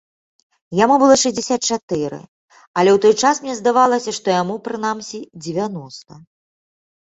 Яму было шэсцьдзесят чатыры, але ў той час мне здавалася, што яму прынамсі дзевяноста.